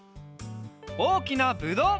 おおきなぶどう！